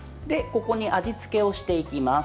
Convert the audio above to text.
ここに味付けをしていきます。